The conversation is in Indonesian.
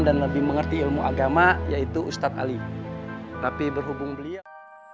dan lebih mengerti ilmu agama yaitu ustadz ali tapi berhubung beliau